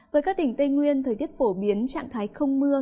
với các tỉnh tây nguyên thời tiết phổ biến trạng thái không mưa